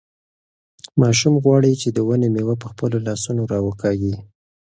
ماشوم غواړي چې د ونې مېوه په خپلو لاسونو راوکاږي.